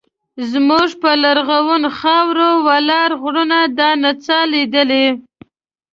زموږ پر لرغونې خاوره ولاړو غرونو دا نڅا لیدلې.